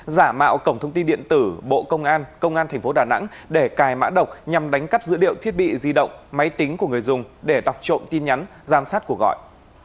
giả mạo cổng thông tin điện tử bộ công an công an tp đà nẵng để cài mã độc nhằm đánh cắp dữ liệu thiết bị di động máy tính của người dùng để đọc trộm tin nhắn giám sát cuộc gọi